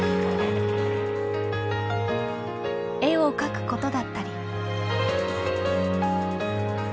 絵を描くことだったり。